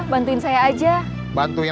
nggak usah cari kerja yang lain